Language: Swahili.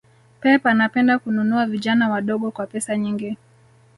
Pep anapenda kununua vijana wadogo kwa pesa nyingi